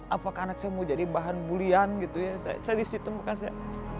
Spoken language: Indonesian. apakah anak saya mau jadi bahan bulian saya disitu bukan saya